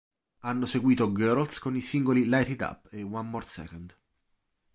Hanno seguito "Girls" con i singoli "Light It Up" e "One More Second".